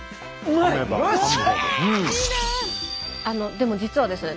でも実はですね